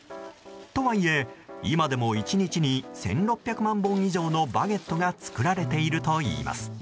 とはいえ、今でも１日に１６００万本以上のバゲットが作られているといいます。